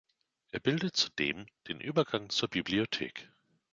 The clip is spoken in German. Er bildet zudem den Übergang zur Bibliothek.